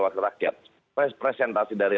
wakil rakyat presentasi dari